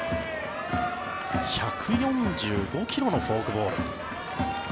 １４５ｋｍのフォークボール。